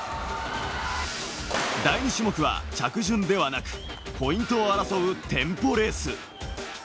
第２種目は着順ではなく、ポイントを争うテンポレース。